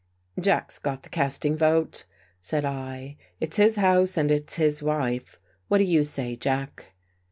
" Jack's got the casting vote," said I. " It's his house and it's his wife. What do you say. Jack?